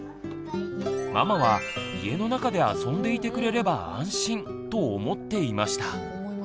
ママは「家の中で遊んでいてくれれば安心」と思っていました。